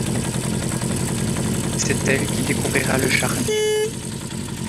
C'est elle qui découvrira le charnier.